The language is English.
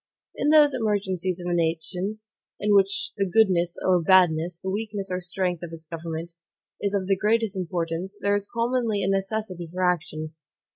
In those emergencies of a nation, in which the goodness or badness, the weakness or strength of its government, is of the greatest importance, there is commonly a necessity for action.